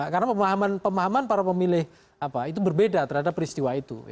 karena pemahaman para pemilih itu berbeda terhadap peristiwa itu